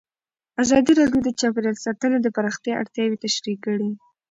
ازادي راډیو د چاپیریال ساتنه د پراختیا اړتیاوې تشریح کړي.